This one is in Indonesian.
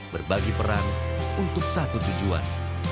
berbagi peran untuk satu tujuan